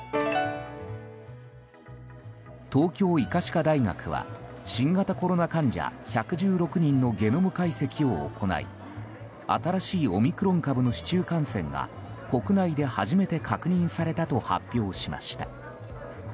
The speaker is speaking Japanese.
東京医科歯科大学は新型コロナ患者１１６人のゲノム解析を行い新しいオミクロン株の市中感染が国内で初めて確認されたと発表しました。